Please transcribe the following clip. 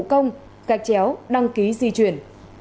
các chéo đăng ký di chuyển